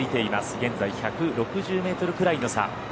現在１６０ｍくらいの差。